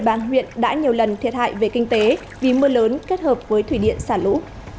bàn huyện đã nhiều lần thiệt hại về kinh tế vì mưa lớn kết hợp với thủy điện xả lũ